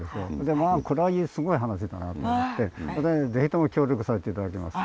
まあこれはいいすごい話だなと思ってそれで是非とも協力させていただきますと。